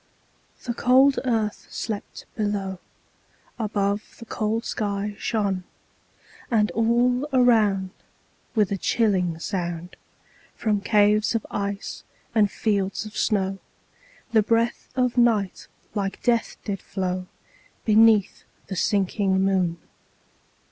The cold earth slept below, Above the cold sky shone; And all around, with a chilling sound, From caves of ice and fields of snow, The breath of night like death did flow _5 Beneath the sinking moon.